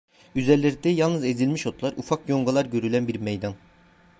Üzerlerinde yalnız ezilmiş otlar, ufak yongalar görülen bir meydan…